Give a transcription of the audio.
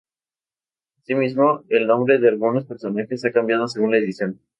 Asimismo, el nombre de algunos personajes ha cambiado según la edición.